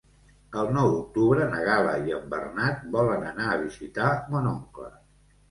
El nou d'octubre na Gal·la i en Bernat volen anar a visitar mon oncle.